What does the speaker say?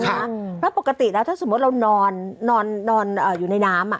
เพราะปกติแล้วถ้าสมมุติเรานอนอยู่ในน้ำ